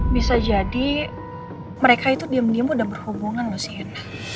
bisa jadi mereka itu diem diem udah berhubungan lu sien